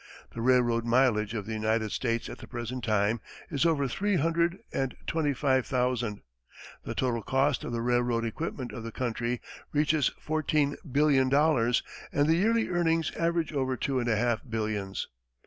The railroad mileage of the United States at the present time is over three hundred and twenty five thousand; the total cost of the railroad equipment of the country reaches fourteen billion dollars and the yearly earnings average over two and a half billions.